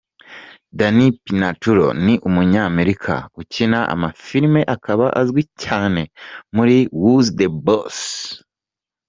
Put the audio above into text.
Danny Pintauro; Ni umunyamerika ukina amafilime akaba azwi cyane muri Who's the Boss?.